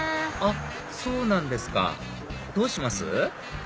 あっそうなんですかどうします？